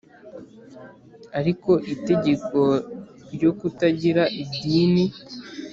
ariko itegeko ryo kutagira idini